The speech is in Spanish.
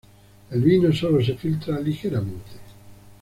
El vino sólo se filtra ligeramente.